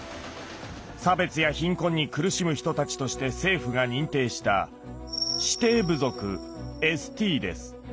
差別や貧困に苦しむ人たちとして政府が認定した指定部族ＳＴです。